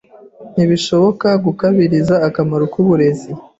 Ntibishoboka gukabiriza akamaro k'uburezi.